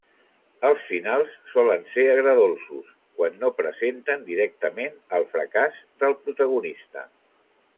Els finals solen ser agredolços, quan no presenten directament el fracàs del protagonista.